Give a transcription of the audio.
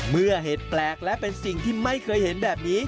เมื่อเหตุแปลกและเป็นสิ่งที่ไม่เคยเห็นแบบนี้